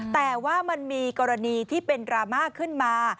แต่ว่ามันมีกรณีที่เป็นดราม่าขึ้นมา